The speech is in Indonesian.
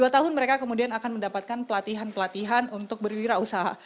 dua tahun mereka kemudian akan mendapatkan pelatihan pelatihan untuk berwirausaha